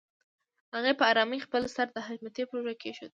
هغې په آرامۍ خپل سر د حشمتي پر اوږه کېښوده.